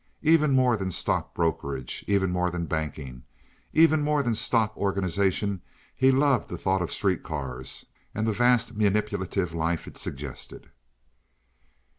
Even more than stock brokerage, even more than banking, even more than stock organization he loved the thought of street cars and the vast manipulative life it suggested.